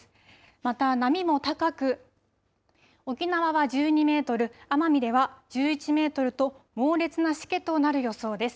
また波も高く沖縄は１２メートル、奄美では１１メートルと猛烈なしけとなる予想です。